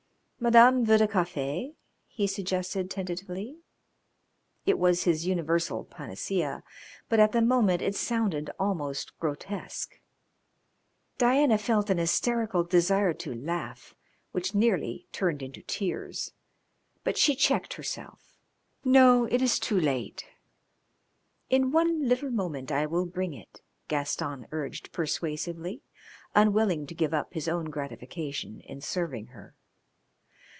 "Madame veut du cafe?" he suggested tentatively. It was his universal panacea, but at the moment it sounded almost grotesque. Diana felt an hysterical desire to laugh which nearly turned into tears, but she checked herself. "No, it is too late." "In one little moment I will bring it," Gaston urged persuasively, unwilling to give up his own gratification in serving her.